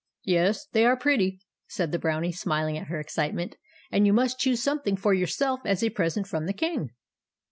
" Yes, they are pretty," said the Brownie, smiling at her excitement ;" and you must choose something for yourself as a present from the King."